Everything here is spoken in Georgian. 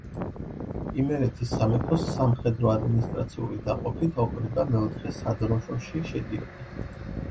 იმერეთის სამეფოს სამხედრო–ადმინისტრაციული დაყოფით ოკრიბა მეოთხე სადროშოში შედიოდა.